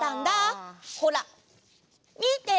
ほらみて！